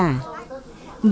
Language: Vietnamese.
và làng nghề bờ đậu